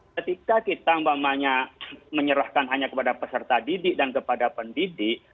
ketika kita menyerahkan hanya kepada peserta didik dan kepada pendidik